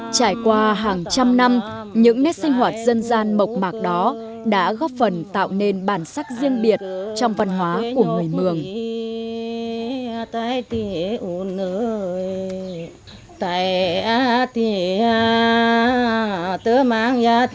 trải qua hàng trăm năm những nét sinh hoạt dân gian mộc mạc đó đã góp phần tạo nên bản sắc riêng biệt trong văn hóa của người mường